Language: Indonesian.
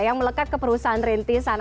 yang melekat ke perusahaan rintisan